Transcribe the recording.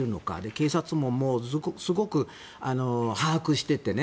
警察もすごく把握しててね。